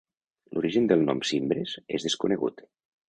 L'origen del nom "Cimbres" és desconegut.